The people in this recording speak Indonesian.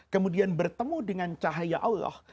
kemudian bertemu dengan cahaya allah